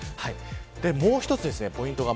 もう一つポイントが。